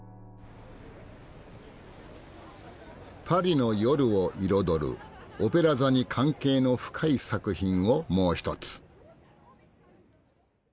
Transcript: パリの夜を彩るオペラ座に関係の深い作品をもう一つ。